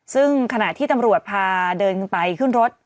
ซึ่งขณะที่ตำรวจพาเดินไปขึ้นรถ